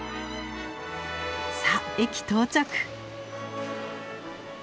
さあ駅到着！